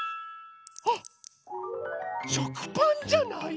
あっしょくパンじゃない？